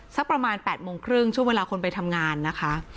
สักประมาณ๘โมงครึ่งช่วงเวลาคนไปทำงานนะคะ